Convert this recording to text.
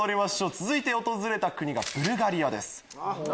続いて訪れた国がブルガリアです。